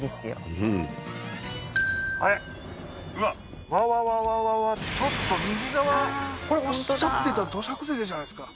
うんちょっと右側これおっしゃってた土砂崩れじゃないですか？